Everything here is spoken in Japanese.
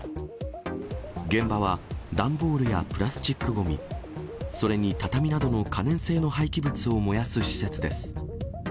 現場は、段ボールやプラスチックごみ、それに畳などの可燃性の廃棄物を燃やす施設です。